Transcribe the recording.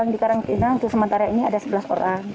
di karantina untuk sementara ini ada sebelas orang